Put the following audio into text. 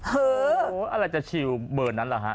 เหออะไรจะชิวเบิร์ดนั้นหรอฮะ